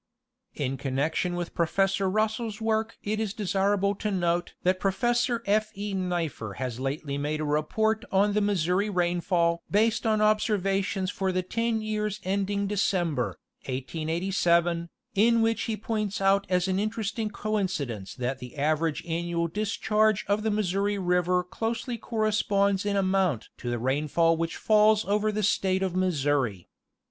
In connection with Professor Russell's work it is desirable to note that Professor F'. E. Nipher has lately made a report on the Missouri rainfall based on observations for the ten years ending December, 1887, in which he points out as an interesting coinci dence that the average annual discharge of the Missouri river closely corresponds in amount to the rainfall which falls over the State of Missouri.